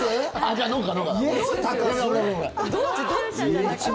どっち？